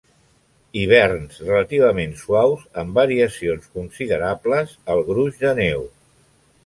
Hiverns relativament suaus amb variacions considerables al gruix de neu.